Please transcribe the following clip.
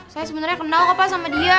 saya sebenarnya kenal kok pak sama dia